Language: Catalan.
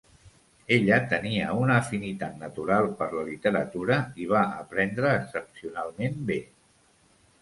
Ella tenia una afinitat natural per la literatura i va aprendre excepcionalment bé.